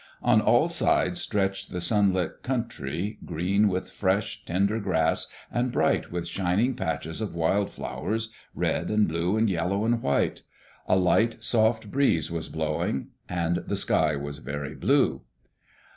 On all sides stretched the sunlit country, green with fresh, tender grass, and bright with shining patches of wild flowers — red and blue and yellow and white. A light, soft breeze was blowing, and the sky was very blue.